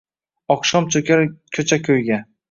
Okshom cho’kar ko’cha-ko’yga